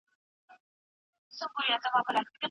غږ سمه مانا ښيي.